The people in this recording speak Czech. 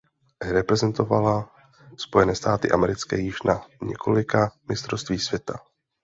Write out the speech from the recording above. Reprezentovala Spojené státy americké již na několika mistrovství světa.